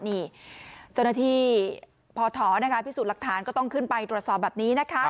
นี่เจ้าหน้าที่พอถอพิสูจน์หลักฐานก็ต้องขึ้นไปตรวจสอบแบบนี้นะคะ